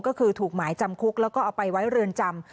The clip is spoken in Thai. ก็คือถูกหมายจำคุกแล้วก็เอาไปไว้เรือนจำ